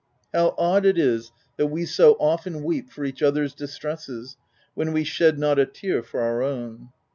How odd it is that we so often weep for each other's distresses, when we shed not a tear for our own